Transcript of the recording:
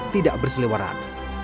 agar tidak berseliwaran